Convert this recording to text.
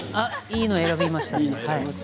いいのを選びましたね。